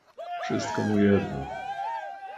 "Wszystko mu jedno."